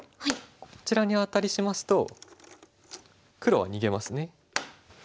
こちらにアタリしますと黒は逃げますね。